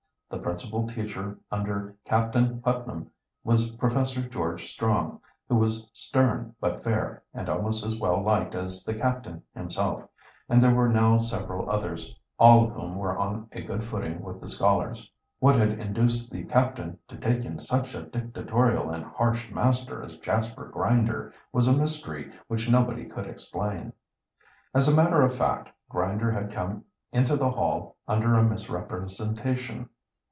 The principal teacher under Captain Putnam was Professor George Strong, who was stern but fair, and almost as well liked as the captain himself, and there were now several others, all of whom were on a good footing with the scholars. What had induced the captain to take in such a dictatorial and harsh master as Jasper Grinder was a mystery which nobody could explain. As a matter of fact, Grinder had come into the Hall under a misrepresentation.